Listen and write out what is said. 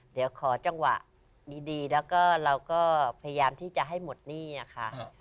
เดี๋ยวขอจังหวะดีแล้วก็เราก็พยายามที่จะให้หมดหนี้ค่ะ